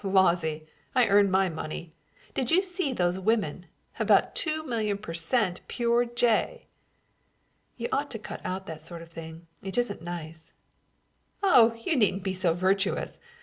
Lawsy! I earned my money. Did you see those women? about two million per cent. pure jay!" "You ought to cut out that sort of thing; it isn't nice." "Oh, you needn't be so virtuous.